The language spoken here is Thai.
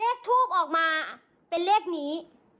เลขทูปออกมาเป็นเลขนี้